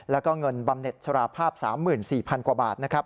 แล้วก็เงินบำเน็ตชรภาพ๓๔๐๐๐กว่าบาท